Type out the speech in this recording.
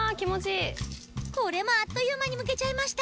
これもあっという間にむけちゃいました。